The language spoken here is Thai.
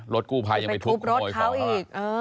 รถกู้ภัยยังไม่ทุบโมยของเขา